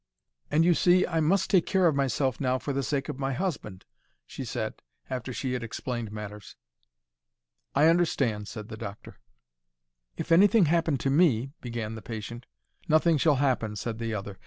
"And, you see, I must take care of myself now for the sake of my husband," she said, after she had explained matters. "I understand," said the doctor. "If anything happened to me—" began the patient. "Nothing shall happen," said the other.